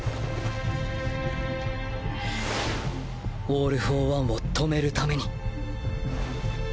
オール・フォー・ワンを止めるために